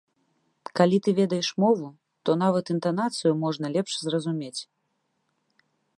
Калі ты ведаеш мову, то нават інтанацыю можна лепш зразумець.